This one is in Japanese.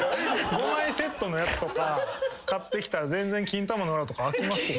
５枚セットのやつとか買ってきたら全然金玉の裏とか開きますよ。